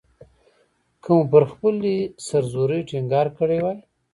که مو پر خپلې سر زورۍ ټینګار کړی وای.